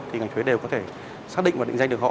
thì ngành thuế đều có thể xác định và định danh được họ